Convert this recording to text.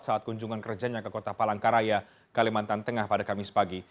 saat kunjungan kerjanya ke kota palangkaraya kalimantan tengah pada kamis pagi